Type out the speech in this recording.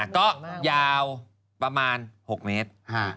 ก็ยาวประมาณ๖เมตร